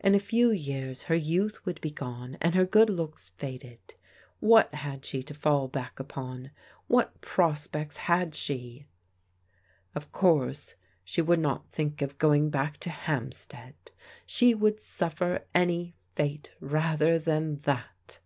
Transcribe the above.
In a few years her youth would be gone, and her good looks faded. What had she to fall back upon? What prospects had she? Of course she would not think of going back to Hamp stead. She would suffer any fate rather than that.